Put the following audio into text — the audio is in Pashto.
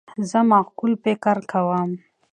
زه معقول فکر کوم.